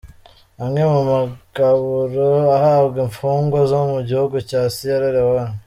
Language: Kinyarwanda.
Amwe mu magaburo ahabwa imfungwa zo mu gihugu cya Sierra Leone .